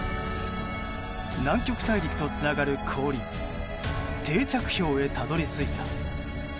南極大陸とつながる氷定着氷へたどり着いた。